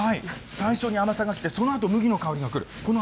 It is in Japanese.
最初に甘さが来て、そのあと、麦の香りがくる。